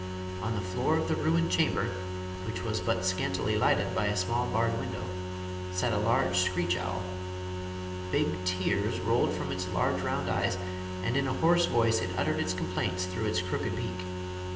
On the floor of the ruined chamber which was but scantily lighted by a small barred window sat a large screech owl. Big tears rolled from its large round eyes, and in a hoarse voice it uttered its complaints through its crooked beak.